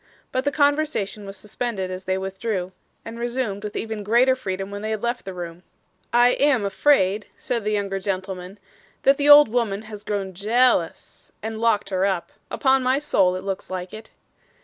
But the conversation was suspended as they withdrew, and resumed with even greater freedom when they had left the room. 'I am afraid,' said the younger gentleman, 'that the old woman has grown jea a lous, and locked her up. Upon my soul it looks like it.